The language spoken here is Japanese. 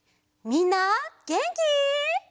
みんなげんき？